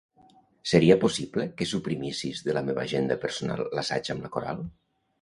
Seria possible que suprimissis de la meva agenda personal l'assaig amb la coral?